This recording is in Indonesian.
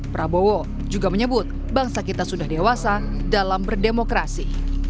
prabowo juga menyebut bangsa kita sudah dewasa dalam berdemokrasi